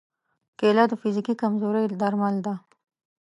کېله د فزیکي کمزورۍ درمل ده.